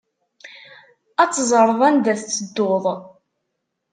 Ad teẓreḍ anda tettedduḍ.